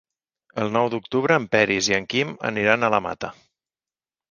El nou d'octubre en Peris i en Quim aniran a la Mata.